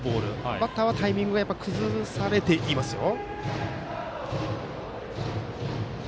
バッターはタイミングが崩されていますよ。